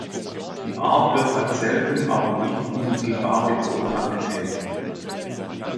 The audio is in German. Die Art wird als selten aber nicht unmittelbar bedroht angesehen.